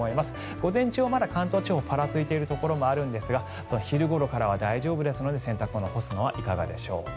午前中はまだ関東地方パラついているところがあるんですが昼頃からは大丈夫ですので洗濯物を干すのはいかがでしょうか。